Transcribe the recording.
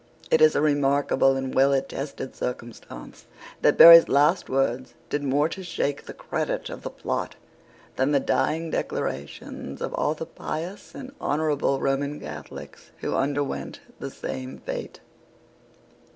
It is a remarkable and well attested circumstance, that Berry's last words did more to shake the credit of the plot than the dying declarations of all the pious and honourable Roman Catholics who underwent the same fate.